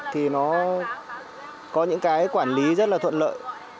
thì nó có những cái quản lý rất là thuận lợi